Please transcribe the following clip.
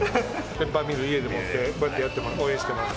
ペッパーミル、家でもってこうやって応援しています。